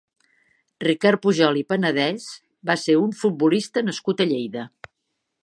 Ricard Pujol i Panadès va ser un futbolista nascut a Lleida.